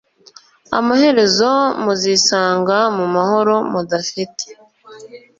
amaherezo muzisanga mu mahoro mudafite